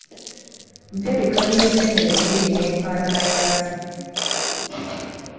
Mpa ebika by’enseenene bibiri n’enfaanaana yaazo.